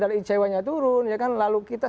dari ceweknya turun ya kan lalu kita